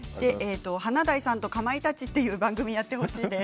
「華大さんとかまいたち」という番組やってほしいです。